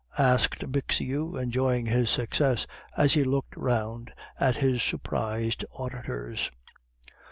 asked Bixiou, enjoying his success as he looked round at his surprised auditors.